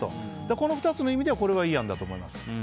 この２つの意味でこれはいい案だと思います。